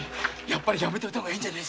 やっぱりやめといた方がいいんじゃ。